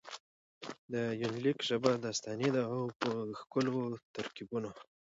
د يونليک ژبه داستاني ده او په ښکلو ترکيبونه.